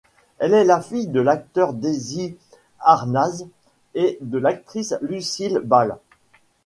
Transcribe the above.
Elle est la fille de l'acteur Desi Arnaz et de l'actrice Lucille Ball.